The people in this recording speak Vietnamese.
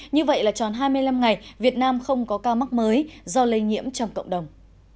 như vậy là tròn hai mươi năm ngày việt nam không có ca mắc mới do lây nhiễm trong cộng đồng